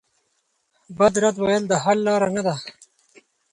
بد رد ویل د حل لاره نه ده.